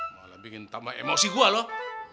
malah bikin tambah emosi gue loh